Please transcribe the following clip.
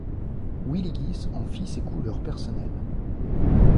Willigis en fit ses couleurs personnelles.